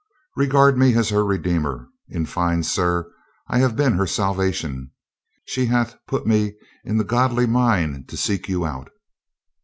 "Regard me as her redeemer. In fine, sir, I have been her salvation. She hath put me in the godly mind to seek you out."